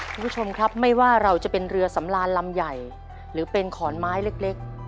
คุณผู้ชมครับไม่ว่าเราจะเป็นเรือสำรานลำใหญ่หรือเป็นขอนไม้เล็ก